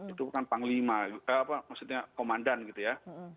itu kan panglima maksudnya komandan gitu ya